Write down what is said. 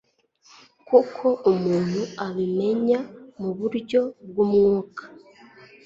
kuko umuntu abimenya mu buryo bw'umwuka.